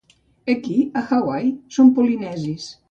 Aquí a Hawaii són polinesis.